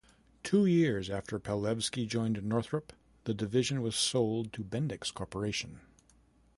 Two years after Palevsky joined Northrop, the division was sold to Bendix Corporation.